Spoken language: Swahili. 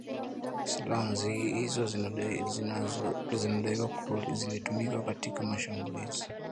Silaha hizo zinadaiwa zilitumika katika mashambulizi